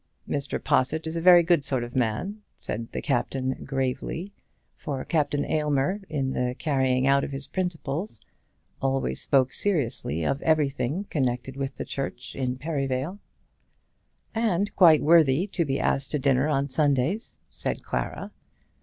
"Mr. Possitt is a very good sort of man," said the Captain, gravely; for Captain Aylmer, in the carrying out of his principles, always spoke seriously of everything connected with the Church in Perivale. "And quite worthy to be asked to dinner on Sundays," said Clara.